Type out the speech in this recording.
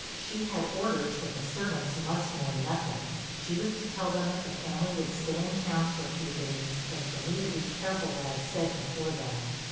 She had orders that the servants must know nothing; she was to tell them that the family would stay in town for a few days, and for me to be careful what I said before them.